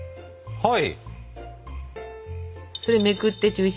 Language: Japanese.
はい。